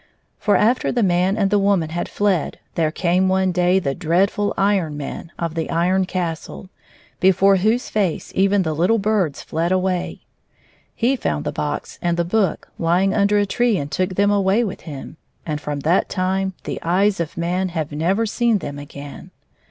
For after the man and the woman had fled, there came one day the dreadiul Iron Man of the Iron Castle, before whose face even the little birds fled away. He found the Box and the Book lying under a tree and took them away with him; and from that time the eyes of man have never Been them again.